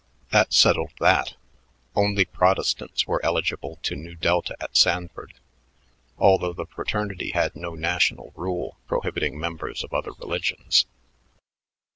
That settled that. Only Protestants were eligible to Nu Delta at Sanford, although the fraternity had no national rule prohibiting members of other religions.